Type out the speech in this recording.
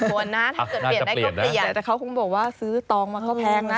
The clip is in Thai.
วนนะถ้าเกิดเปลี่ยนได้ก็เปลี่ยนแต่เขาคงบอกว่าซื้อตองมาก็แพงนะ